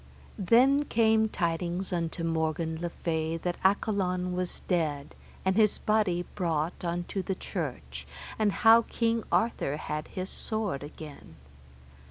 Then came tidings unto Morgan le Fay that Accolon was dead, and his body brought unto the church, and how King Arthur had his sword again.